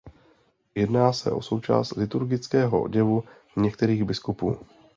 Jedná se o součást liturgického oděvu některých biskupů.